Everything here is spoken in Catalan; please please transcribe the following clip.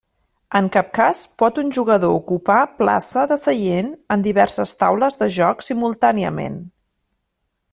En cap cas pot un jugador ocupar plaça de seient en diverses taules de joc simultàniament.